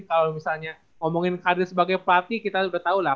kalau misalnya ngomongin karir sebagai pelatih kita sudah tahu lah